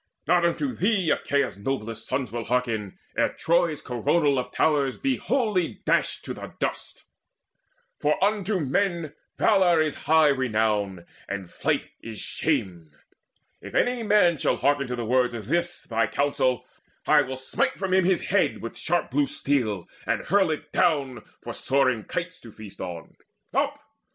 Not unto thee Achaea's noblest sons Will hearken, ere Troy's coronal of towers Be wholly dashed to the dust: for unto men Valour is high renown, and flight is shame! If any man shall hearken to the words Of this thy counsel, I will smite from him His head with sharp blue steel, and hurl it down For soaring kites to feast on. Up!